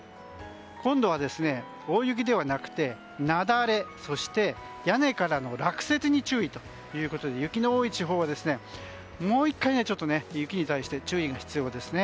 今度は大雪ではなくて雪崩そして屋根からの落雪に注意ということで雪の多い地方はもう１回、雪に対して注意が必要です。